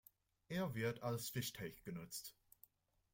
Er wird als Fischteich genutzt.